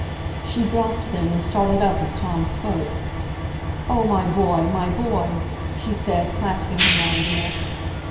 She dropped them, and started up as Tom spoke. "Oh, my boy, my boy!" she said, clasping him round the neck.